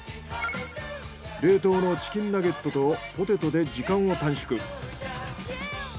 冷凍のチキンナゲットとポテトで時間を短縮。